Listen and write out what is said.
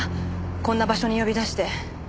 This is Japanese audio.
こんな場所に呼び出して。